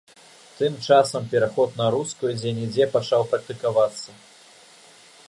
Тым часам пераход на рускую дзе-нідзе пачаў практыкавацца.